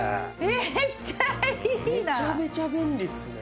めちゃめちゃ便利っすね。